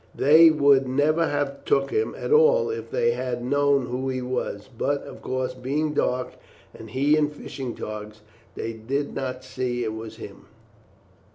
They would never have took him at all if they had known who he was; but, of course, being dark, and he in his fishing togs, they did not see it was him."